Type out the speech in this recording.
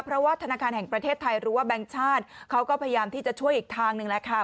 เพราะว่าธนาคารแห่งประเทศไทยหรือว่าแบงค์ชาติเขาก็พยายามที่จะช่วยอีกทางหนึ่งแหละค่ะ